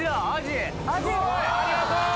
ありがとう！